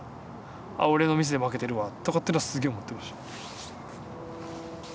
「俺のミスで負けてるわ」とかってのはすげえ思ってました。